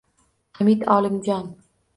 Hamid Olimjon